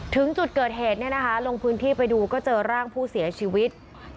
ถึงจุดเกิดเหตุลงพื้นที่ไปดูก็เจอร่างผู้เสียชีวิต